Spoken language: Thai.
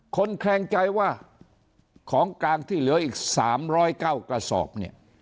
แขลงใจว่าของกลางที่เหลืออีก๓๐๙กระสอบเนี่ย